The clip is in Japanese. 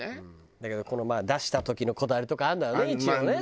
だけど出した時のこだわりとかあるんだろうね一応ね。